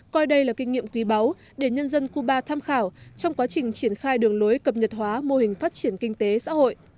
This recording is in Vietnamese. coi đây là kinh nghiệm quý báu để nhân dân cuba tham khảo trong quá trình triển khai đường lối cập nhật hóa mô hình phát triển kinh tế xã hội